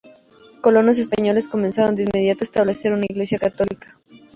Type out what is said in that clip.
Colonos españoles comenzaron de inmediato a establecer una iglesia católica.